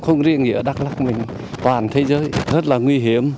không riêng nghĩa ở đắk lắc mình toàn thế giới rất là nguy hiểm